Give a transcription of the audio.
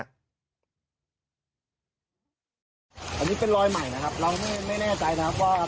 อันนี้เป็นรอยใหม่นะครับเราไม่แน่ใจนะครับว่า